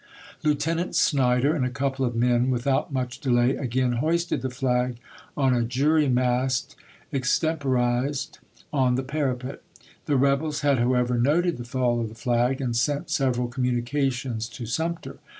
Lieutenant Snyder and a couple of men, without much delay, again hoisted the flag on a jury mast extemporized on the parapet. The rebels had however noted the fall of the flag, and sent several communications to Sumter.